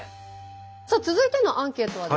さあ続いてのアンケートはですね